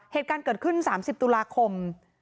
เหตุการณ์เกิดขึ้น๓๐ตุลาคม